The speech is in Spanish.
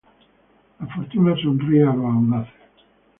La fortuna sonríe a los audaces